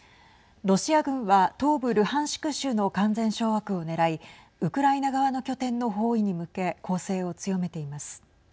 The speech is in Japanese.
ロシア軍は東部ルハンシク州の完全掌握をねらいウクライナ側の拠点の包囲に向け攻勢を強めています。